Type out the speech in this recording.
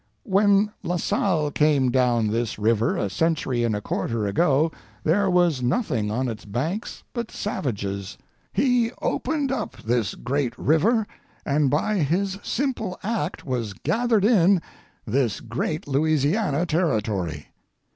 When La Salle came down this river a century and a quarter ago there was nothing on its banks but savages. He opened up this great river, and by his simple act was gathered in this great Louisiana territory.